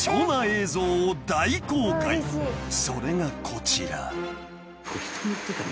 ［それがこちら！］